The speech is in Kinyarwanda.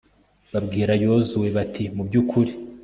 babwira yozuwe bati mu by'ukuri